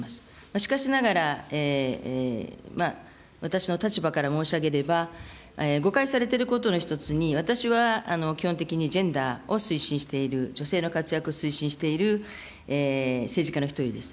しかしながら、私の立場から申し上げれば、誤解されてることの一つに、私は基本的にジェンダーを推進している、女性の活躍を推進している政治家の一人です。